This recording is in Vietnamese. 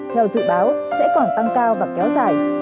theo dự báo sẽ còn tăng cao và kéo dài